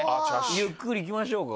ゆっくりいきましょうか。